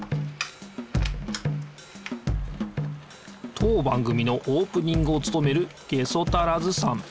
当番組のオープニングをつとめるゲソタラズさん。